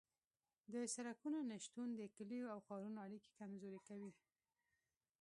د سرکونو نشتون د کلیو او ښارونو اړیکې کمزورې کوي